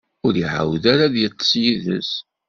Ur iɛawed ara ad iṭṭeṣ yid-s.